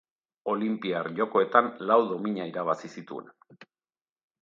Olinpiar Jokoetan lau domina irabazi zituen.